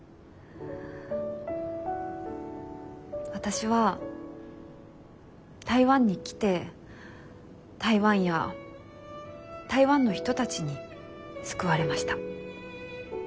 私は台湾に来て台湾や台湾の人たちに救われました。